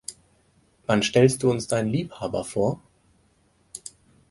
Wann stellst du uns deinen Liebhaber vor?